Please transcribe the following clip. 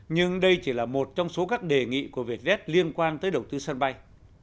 nhưng đây chỉ là một trong số các đề nghị của vietjet liên quan tới đầu tư sân bay